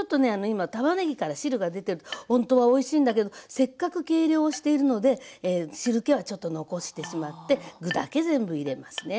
今たまねぎから汁が出てるほんとはおいしいんだけどせっかく計量をしているので汁けはちょっと残してしまって具だけ全部入れますね。